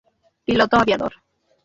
Piloto Aviador.